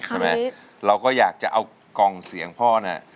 ใช่ไหมเราก็อยากจะเอากองเสียงพ่อนะ